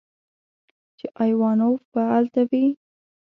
چې ايوانوف به الته وي.